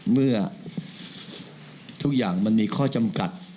เมื่อทุกอย่างมันมีข้อจำกัด